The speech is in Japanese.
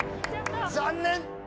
残念！